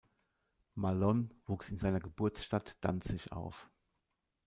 Mallon wuchs in seiner Geburtsstadt Danzig auf.